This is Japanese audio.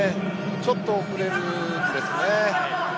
ちょっと遅れるんですよね。